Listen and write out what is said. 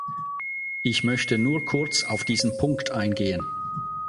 Ich möchte nur kurz auf diesen Punkt eingehen.